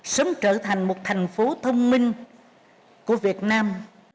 sớm trở thành một thành phố thông minh của việt nam